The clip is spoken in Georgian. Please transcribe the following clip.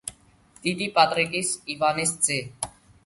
დიდი პატრიკის ივანეს ძე.